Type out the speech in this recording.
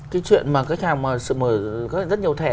cái chuyện mà khách hàng mở rất nhiều thẻ